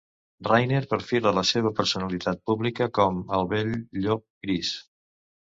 Rhyner perfila la seva personalitat pública com "El vell llop gris".